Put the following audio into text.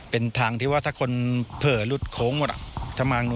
เป็นทางที่ถ้าคนเพลินลุดโข้งหมด